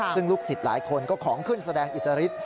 ซึ่งลูกศิษย์หลายคนก็ของขึ้นแสดงอิตรฤทธิ